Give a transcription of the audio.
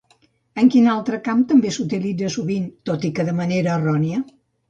I en quin altre camp també s'utilitza sovint, tot i que de manera errònia?